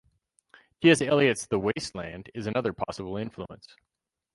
T. S. Eliot's "The Wasteland" is another possible influence.